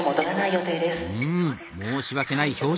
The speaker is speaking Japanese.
うん申し訳ない表情。